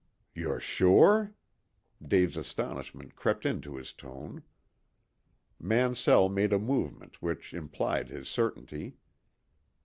"You're sure?" Dave's astonishment crept into his tone. Mansell made a movement which implied his certainty.